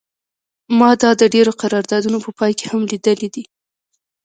ما دا د ډیرو قراردادونو په پای کې هم لیدلی دی